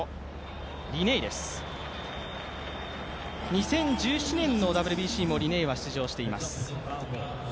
２０１７年のＷＢＣもリ・ネイは出場しています。